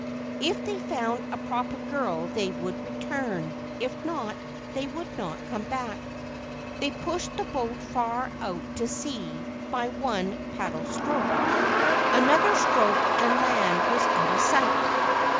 If they found a proper girl they would return; if not, they would not come back. They pushed the boat far out to sea by one paddle stroke. Another stroke and land was out of sight.